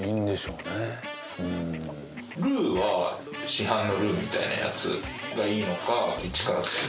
ルーは市販のルーみたいなやつがいいのかいちから作る。